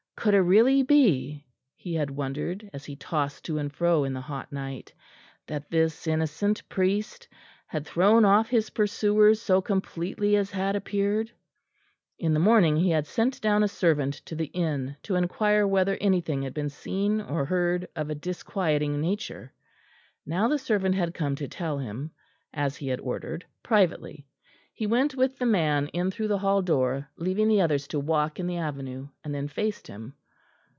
Could it really be, he had wondered as he tossed to and fro in the hot night, that this innocent priest had thrown off his pursuers so completely as had appeared? In the morning he had sent down a servant to the inn to inquire whether anything had been seen or heard of a disquieting nature; now the servant had come to tell him, as he had ordered, privately. He went with the man in through the hall door, leaving the others to walk in the avenue, and then faced him.